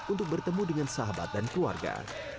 untuk bertemu dengan sahabat dan keluarga